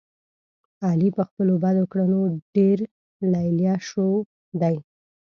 علي په خپلو بدو کړنو ډېر لیله شو دی.